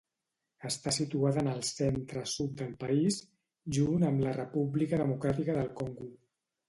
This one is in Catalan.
Està situada en el centre-sud del país, junt amb la República Democràtica del Congo.